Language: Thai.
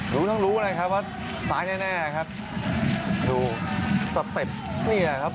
รู้ทั้งรู้เลยครับว่าซ้ายแน่แน่ครับดูสเต็ปเนี่ยครับ